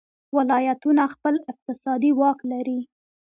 ولایتونه خپل اقتصادي واک لري.